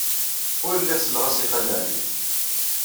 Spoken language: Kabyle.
Ur lliɣ selleɣ-as i Xali Ɛli.